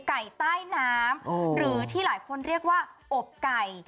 ไก่ใต้น้ำหรือที่หลายคนเรียกว่าอบไก่